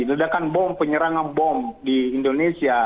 ledakan bom penyerangan bom di indonesia